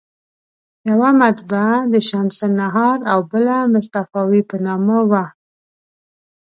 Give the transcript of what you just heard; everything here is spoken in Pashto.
یوه مطبعه د شمس النهار او بله مصطفاوي په نامه وه.